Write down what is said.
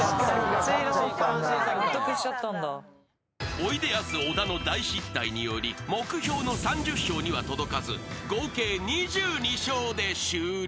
［おいでやす小田の大失態により目標の３０笑には届かず合計２２笑で終了］